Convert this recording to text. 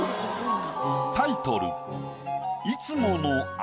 タイトル。